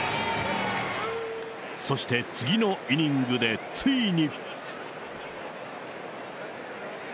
そして次のイニングでついに。